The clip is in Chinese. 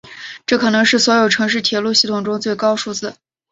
这可能是所有城市铁路系统中的最高数字。